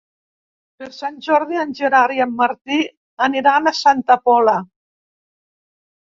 Per Sant Jordi en Gerard i en Martí aniran a Santa Pola.